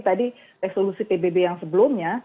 tadi resolusi pbb yang sebelumnya